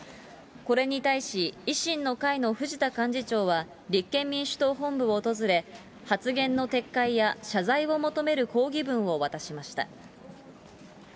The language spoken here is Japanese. これに対し、維新の会の藤田幹事長は、立憲民主党本部を訪れ、発言の撤回や、謝罪を求める抗議文を渡しました。